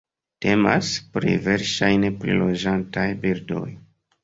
Temas plej verŝajne pri loĝantaj birdoj.